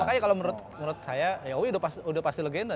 makanya kalau menurut saya ya owi udah pasti legenda